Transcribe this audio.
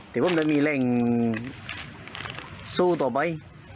แต่ผมได้มีแรงซู่ต่อไป